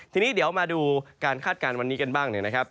ทีนี้เดี๋ยวมาดูการคาดการณ์วันนี้กันบ้างนะครับ